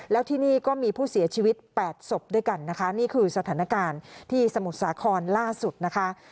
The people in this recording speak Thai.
แล้วที่นี่ก็มีผู้เสียชีวิต๘ศพด้วยกันนะคะนี่คือสถานการณ์ที่สมุทรสาครล่าสุดนะคะ